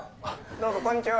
・どうもこんにちは。